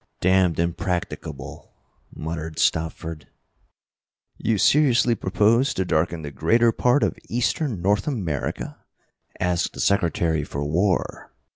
"Damned impracticable!" muttered Stopford. "You seriously propose to darken the greater part of eastern North America?" asked the Secretary for War.